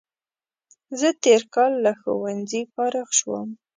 زه تېر کال له ښوونځي فارغ شوم